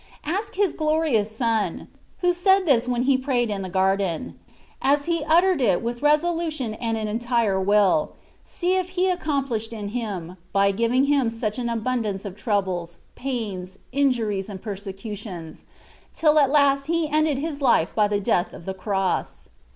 Ask His glorious Son, who said this when He prayed in the garden ; as He uttered it with resolution and an entire will, see if He accomplished in Him, by giving Him such an abundance of troubles, pains^ injuries, and persecutions, till at last He ended His life by the death of the cross.